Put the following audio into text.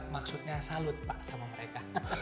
maksudnya salut pak sama mereka